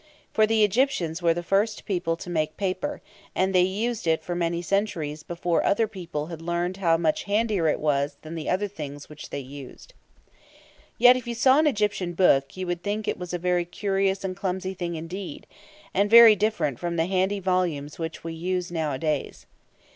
For the Egyptians were the first people to make paper, and they used it for many centuries before other people had learned how much handier it was than the other things which they used. Yet, if you saw an Egyptian book, you would think it was a very curious and clumsy thing indeed, and very different from the handy volumes which we use nowadays.